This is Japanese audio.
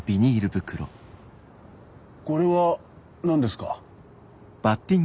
これは何ですか？